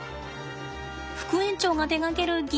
副園長が手がける擬